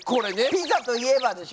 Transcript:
ピザといえばでしょ？